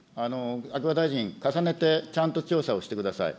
秋葉大臣、重ねてちゃんと調査をしてください。